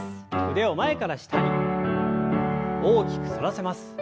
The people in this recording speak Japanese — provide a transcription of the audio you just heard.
腕を前から下に大きく反らせます。